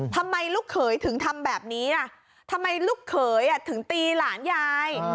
ลูกเขยถึงทำแบบนี้ทำไมลูกเขยถึงตีหลานยาย